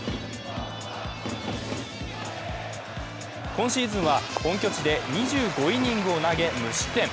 今シーズンは本拠地で２５イニングを投げ、無失点。